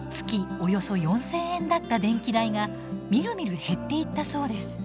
およそ４，０００円だった電気代がみるみる減っていったそうです。